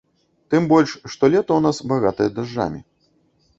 Тым больш, што лета ў нас багатае дажджамі.